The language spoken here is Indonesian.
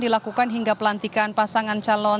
dilakukan hingga pelantikan pasangan calon